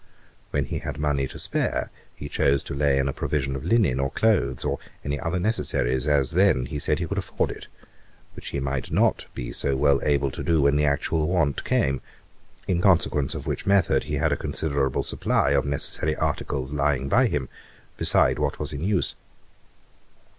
When he had money to spare, he chose to lay in a provision of linen or clothes, or any other necessaries; as then, he said, he could afford it, which he might not be so well able to do when the actual want came; in consequence of which method, he had a considerable supply of necessary articles lying by him, beside what was in use.